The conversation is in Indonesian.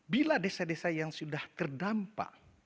bila desa desa yang sudah terdampak